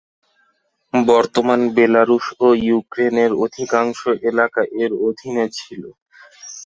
বর্তমান বেলারুশ ও ইউক্রেনের অধিকাংশ এলাকা এর অধীনে ছিল।